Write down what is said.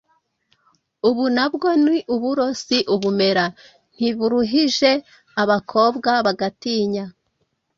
Ubu na bwo ni uburo si ubumera?”(ntiburuhije). Abakobwa bagatinya